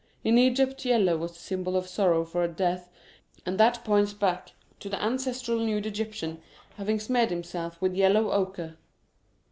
In Egypt yellow was the symbol of sorrow for a death, and that points back to the ancestral nude Egyptian having smeared himself with yellow ochre.